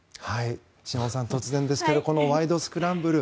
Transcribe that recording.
島本さん、突然ですがこの「ワイド！スクランブル」